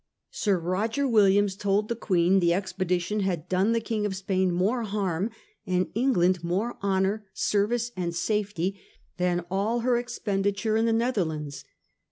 Sir Eoger 190 SIR FRANCIS DRAKE chap. Williams told the Queen the expedition had done the King of Spain more harm and £ngland more honour, service, and safety than all her expenditure in the Netherlands.